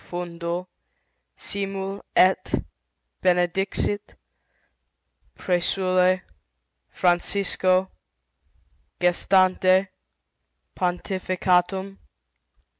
FUNDO . SIMUL . ET . BENEDIXIT . PRÆSULE . FRANCISCO . GESTANTE . PONTIFICATUM